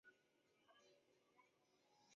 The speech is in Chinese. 乌尔克河畔普吕斯利。